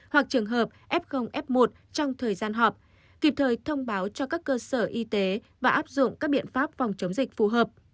hoặc trường hợp f f một trong thời gian họp kịp thời thông báo cho các cơ sở y tế và áp dụng các biện pháp phòng chống dịch phù hợp